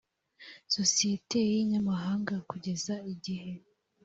isosiyete y inyamahanga kugeza igihe